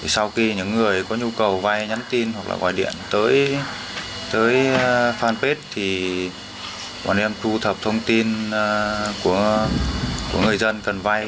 sau khi những người có nhu cầu vay nhắn tin hoặc là gọi điện tới fanpage thì bọn em thu thập thông tin của người dân cần vay